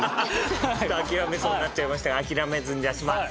諦めそうになっちゃいましたが諦めずに出します。